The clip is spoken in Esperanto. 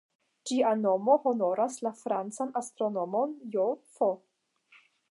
Ĝia nomo honoras la francan astronomon "J.-F.